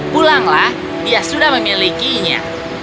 pulanglah dia sudah memilikinya